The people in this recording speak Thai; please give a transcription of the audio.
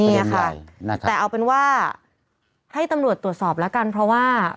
เนี่ยค่ะแต่เอาเป็นว่าให้ตำรวจตรวจสอบแล้วกันเพราะว่า